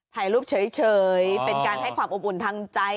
ถ่ายรูปเฉยเป็นการให้ความอบอุ่นทางใจ